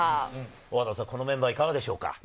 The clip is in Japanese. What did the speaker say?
大畑さん、このメンバーいかがでしょうか？